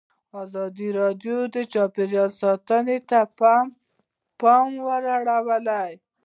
ازادي راډیو د چاپیریال ساتنه ته پام اړولی.